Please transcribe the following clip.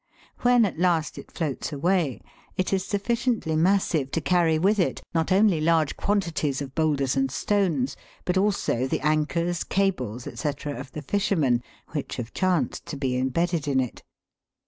When at last it floats away, it is sufficiently massive to carry with it, not only large quantities of boulders and stones, but also the anchors, cables, &c., of the fishermen, which have chanced to be embedded in it.